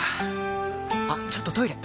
あっちょっとトイレ！